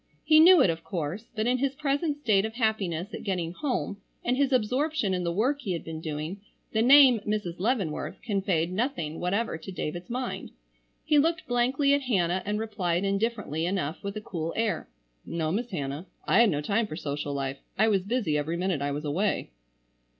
He knew it of course, but in his present state of happiness at getting home, and his absorption in the work he had been doing, the name "Mrs. Leavenworth" conveyed nothing whatever to David's mind. He looked blankly at Hannah and replied indifferently enough with a cool air. "No, Miss Hannah, I had no time for social life. I was busy every minute I was away."